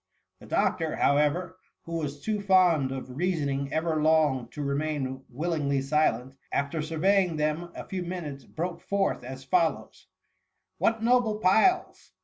The doctor, however, who was too fond of reasoning ever long to remain willingly silent, after surveying them a few minutes, broke forth as follows :—" What noble piles